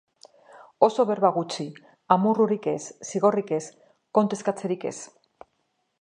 Oso berba gutxi, amorrurik ez, zigorrik ez, kontu eskatzerik ez.